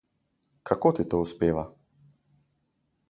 Kako ti to uspeva?